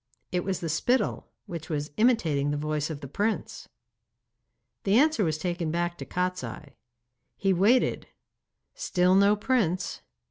It was the spittle, which was imitating the voice of the prince. The answer was taken back to Kostiei. He waited; still no prince.